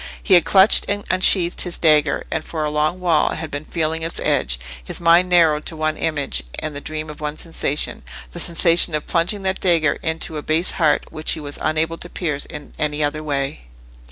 He had clutched and unsheathed his dagger, and for a long while had been feeling its edge, his mind narrowed to one image, and the dream of one sensation—the sensation of plunging that dagger into a base heart, which he was unable to pierce in any other way.